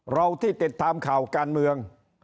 เราที่ติดตามข่าวการเมือง